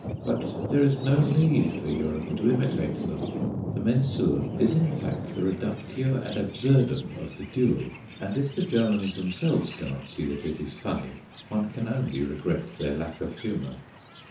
But there is no need for Europe to imitate them. The Mensur is, in fact, the reductio ad absurdum of the duel; and if the Germans themselves cannot see that it is funny, one can only regret their lack of humour.